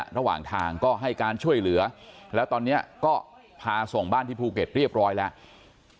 ระหว่างทางก็ให้การช่วยเหลือแล้วตอนนี้ก็พาส่งบ้านที่ภูเก็ตเรียบร้อยแล้ว